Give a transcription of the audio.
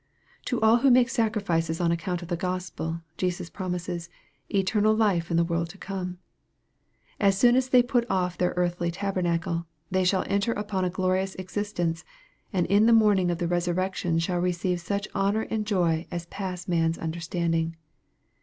To all who make sacrifices on account of the Gospel, Jesus promises " eternal life in the world to come." As soon as they put off their earthly tabernacle, they shall enter upon a glorious existence, and in the morning of the resurrection shall receive such honor and joy as pass man's understanding.